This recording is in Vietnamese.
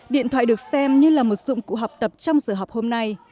điện thoại được xem như là một dụng cụ học tập trong giờ học hôm nay